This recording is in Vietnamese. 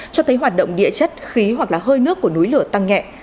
cho thấy hoạt động địa chất khí hoặc là hơi nước của núi lửa tăng nhẹ